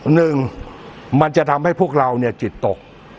หนึ่งมันจะทำให้พวกเราเนี่ยจิตตก